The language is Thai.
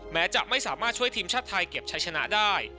แม้จะไม่สามารถช่วยทีมชาติไทยเก็บใช้ชนะได้